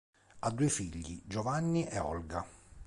Ha due figli: Giovanni e Olga.